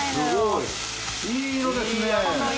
いい色ですね